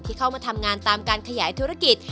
เข้ามาทำงานตามการขยายธุรกิจ